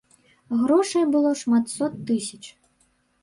Грошай было шмат сот тысяч.